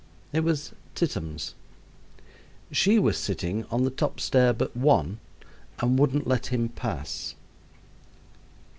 It was Tittums. She was sitting on the top stair but one and wouldn't let him pass.